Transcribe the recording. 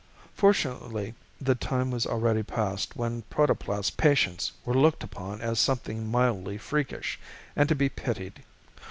Fortunately the time was already past when protoplast patients were looked upon as something mildly freakish and to be pitied.